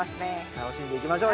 楽しんでいきましょうよ。